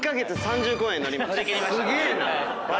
すげえな。